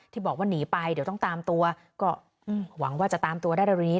ที่บอกว่าหนีไปเดี๋ยวต้องตามตัวก็หวังว่าจะตามตัวได้เร็วนี้